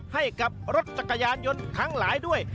ให้กับรถจักรยานยนต์ทั้งหลายด้วย